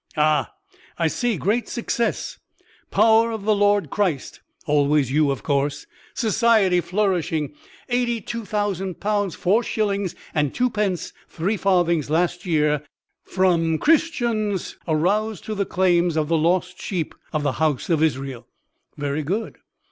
"Ah, I see; great success! Power of the Lord Christ! (always you, of course). Society flourishing. Eighty two thousand pounds four shillings and twopence three farthings last year from Christians aroused to the claims of the lost sheep of the House of Israel. (Very good.)